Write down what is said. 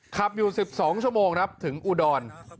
ขับอยู่๑๒ชั่วโมงถึงอูดอน